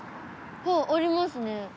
ああありますね。